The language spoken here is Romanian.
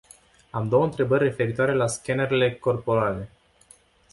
Am două întrebări referitoare la scanerele corporale.